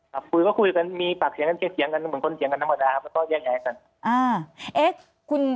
คุยก็คุยกันมีปากเสียงกันจะเถียงกันเหมือนคนเถียงกันธรรมดามันก็แยกย้ายกัน